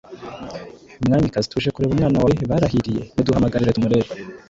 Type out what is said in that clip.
Mwamikazi, tuje kureba umwana wawe barahiriye muduhamagarire tumurebe!"